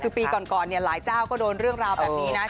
คือปีก่อนเนี่ยหลายเจ้าก็โดนเรื่องราวแบบนี้นะ